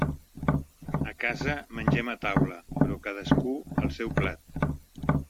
A casa mengem a taula, però cadascú al seu plat.